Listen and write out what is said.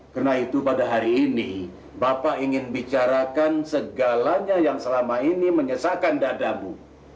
karena itu pada hari ini bapak ingin bicarakan segalanya yang selama ini menyesalkan dadamu